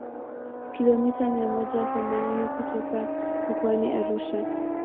kilomita mia moja themanini kutoka mkoani Arusha